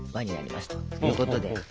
ということで。